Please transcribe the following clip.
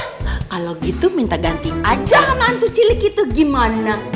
nah kalau gitu minta ganti aja sama antu cilik itu gimana